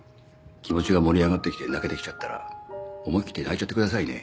気持ちが盛り上がってきて泣けてきちゃったら思い切って泣いちゃってくださいね。